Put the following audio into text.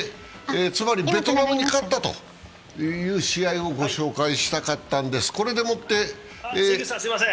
つまりベトナムに勝ったという試合をご紹介したかったんです。